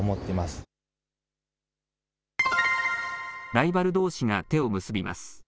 ライバルどうしが手を結びます。